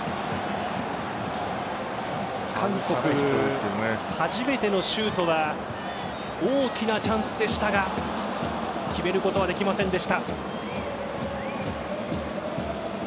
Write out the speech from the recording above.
韓国、初めてのシュートは大きなチャンスでしたが決めることはできませんでした。